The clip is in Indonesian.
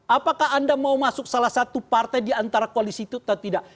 apakah anda mau masuk salah satu partai di antara koalisi itu atau tidak